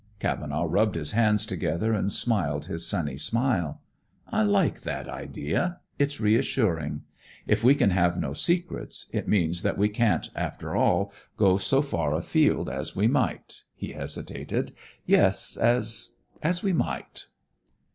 Cavenaugh rubbed his hands together and smiled his sunny smile. "I like that idea. It's reassuring. If we can have no secrets, it means that we can't, after all, go so far afield as we might," he hesitated, "yes, as we might."